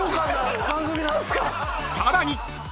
［さらに］